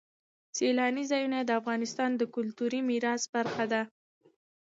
سیلاني ځایونه د افغانستان د کلتوري میراث برخه ده.